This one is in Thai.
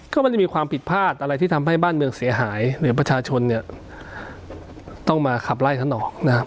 ก็ไม่ได้มีความผิดพลาดอะไรที่ทำให้บ้านเมืองเสียหายหรือประชาชนเนี่ยต้องมาขับไล่ท่านออกนะครับ